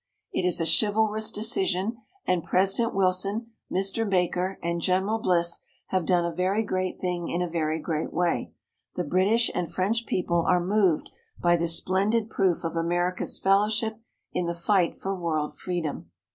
It is a chivalrous decision, and President Wilson, Mr. Baker, and General Bliss have done a very great thing in a very great way. The British and French people are moved by this splendid proof of America's fellowship in the fight for world freedom."